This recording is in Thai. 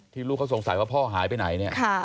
ที่ลูกก็สงสัยว่าพ่อหายไปไหนเนี่ยค่ะ